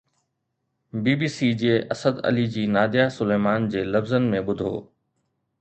بي B C جي اسد علي جي ناديه سليمان جي لفظن ۾ ٻڌو